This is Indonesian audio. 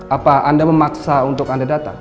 apa anda memaksa untuk anda datang